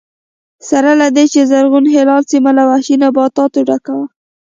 سره له دې چې زرغون هلال سیمه له وحشي نباتاتو ډکه وه